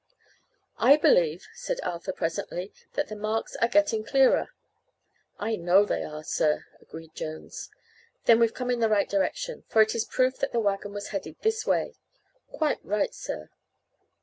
"I believe," said Arthur, presently, "that the marks are getting clearer." "I know they are, sir," agreed Jones. "Then we've come in the right direction, for it is proof that the wagon was headed this way." "Quite right, sir."